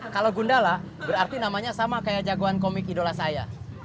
kalau gundala berarti namanya sama kayak jagoan komik idola saya